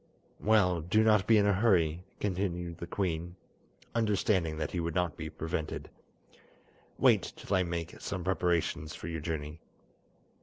"Well, do not be in a hurry," continued the queen, understanding that he would not be prevented. "Wait till I make some preparations for your journey."